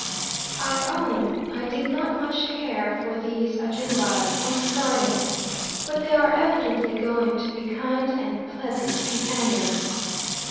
I own I did not much care for these Ajumbas on starting, but they are evidently going to be kind and pleasant companions.